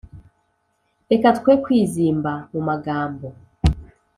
reka twe kwizimba mu magambo